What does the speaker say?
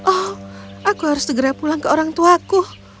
oh aku harus segera pulang ke orangtuaku